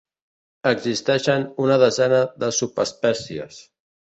Existeixen una desena de subespècies.